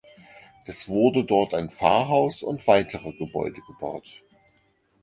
Es wurde dort ein Pfarrhaus und weitere Gebäude gebaut.